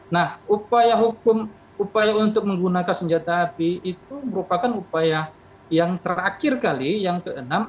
nah upaya hukum upaya untuk menggunakan senjata api itu merupakan upaya yang terakhir kali yang keenam